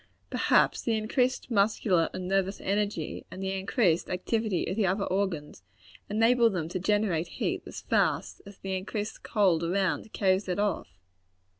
Perhaps the increased muscular and nervous energy, and the increased activity of the other organs, enable them to generate heat as fast, as the increased cold around carries it off.